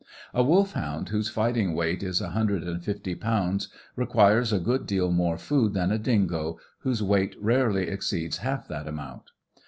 A Wolfhound whose fighting weight is a hundred and fifty pounds requires a good deal more food than a dingo, whose weight rarely exceeds half that amount.